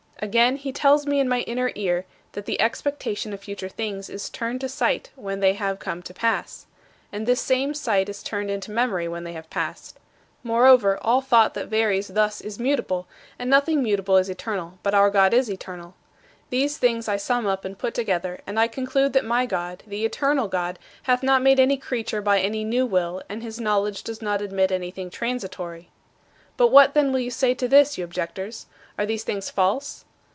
"Again, he tells me in my inner ear that the expectation of future things is turned to sight when they have come to pass. And this same sight is turned into memory when they have passed. Moreover, all thought that varies thus is mutable, and nothing mutable is eternal. But our God is eternal." These things I sum up and put together, and I conclude that my God, the eternal God, hath not made any creature by any new will, and his knowledge does not admit anything transitory. 19. "What, then, will you say to this, you objectors? Are these things false?"